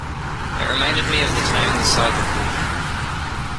It reminded me of the time we saw the ghoul.